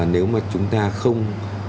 nếu mà chúng ta không